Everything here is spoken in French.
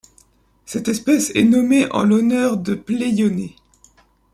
Cette espèce est nommée en l'honneur de Pléioné.